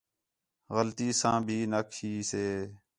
غلطی ساں بھی نا کھی سے